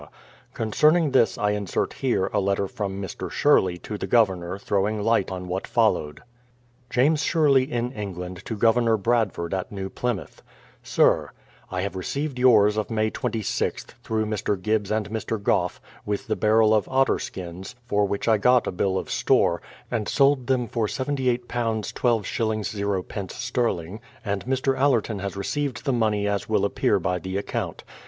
Concerning this I insert here a letter from Mr. Sherley to the Governor throwing light on what followed. James Sherley in England to Governor Bradford at New Plymouth: Sir, I have received yours of May 26th through Mr. Gibbs and Mr. Goffe, with the barrel of otter skins, for which I got a bill of store, and sold them for £78 12 0 sterling; and Mr. Allerton has received the money as will appear by the account.